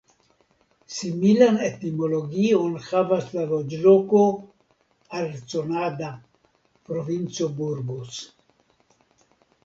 Similan etimologion havas la loĝloko Arconada (Provinco Burgos).